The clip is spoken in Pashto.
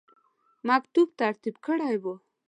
مکتوب ترتیب کړی وو.